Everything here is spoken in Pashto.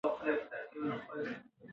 مانا د علم سره فرق لري.